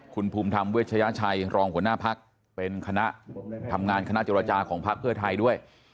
คุณภูมิธรรมเวชยชัยรองหัวหน้าพักเป็นคณะทำงานคณะเจรจาของพักเพื่อไทยด้วย